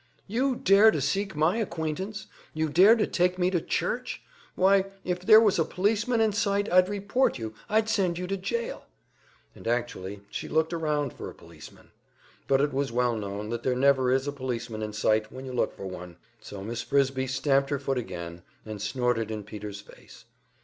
"You dare to seek my acquaintance! You dare to take me to church! Why if there was a policeman in sight, I'd report you, I'd send you to jail!" And actually she looked around for a policeman! But it is well known that there never is a policeman in sight when you look for one; so Miss Frisbie stamped her foot again and snorted in Peter's face.